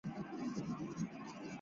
通称步兵学校。